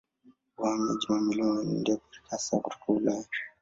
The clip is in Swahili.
Wahamiaji mamilioni waliendelea kufika hasa kutoka Ulaya.